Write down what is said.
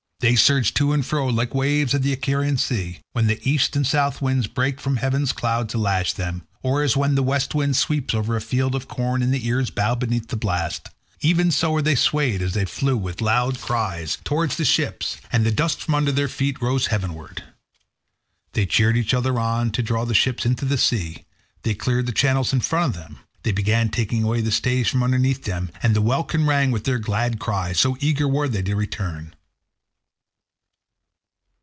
They surged to and fro like the waves of the Icarian Sea, when the east and south winds break from heaven's clouds to lash them; or as when the west wind sweeps over a field of corn and the ears bow beneath the blast, even so were they swayed as they flew with loud cries towards the ships, and the dust from under their feet rose heavenward. They cheered each other on to draw the ships into the sea; they cleared the channels in front of them; they began taking away the stays from underneath them, and the welkin rang with their glad cries, so eager were they to return.